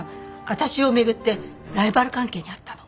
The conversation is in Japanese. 私を巡ってライバル関係にあったの。